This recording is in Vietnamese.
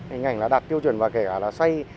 hình ảnh là đặt tiêu chuẩn và kể cả là xoay